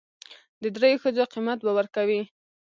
د درېو ښځو قيمت به ور کوي.